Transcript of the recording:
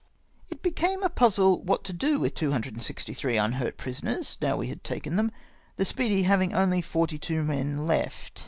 It became a puzzle what to do with 2G3 mdiurt pri soners now we had taken them, the Speedy having only forty two men left.